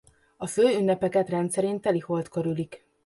A fő ünnepeket rendszerint teliholdkor ülik.